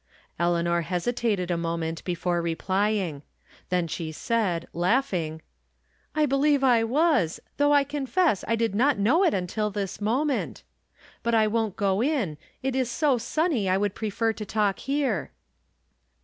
Eleanor hesitated a moment before replying. Then she said, laughing :" I believe I was, though I confess I did not know it until this moment. But I won't go in ; it is so sunny I would prefer to talk here."